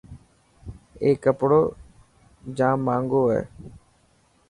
اي ڪپڙو جاهنگو هي.